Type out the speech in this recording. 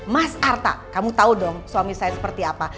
mas arta kamu tahu dong suami saya seperti apa